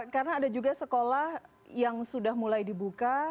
karena ada juga sekolah yang sudah mulai dibuka